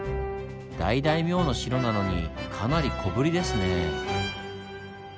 大大名の城なのにかなり小ぶりですねぇ。